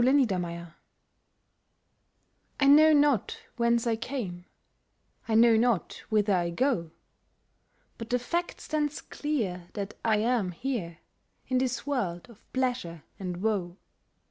I AM I know not whence I came, I know not whither I go; But the fact stands clear that I am here In this world of pleasure and woe.